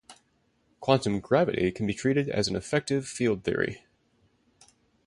Quantum gravity can be treated as an effective field theory.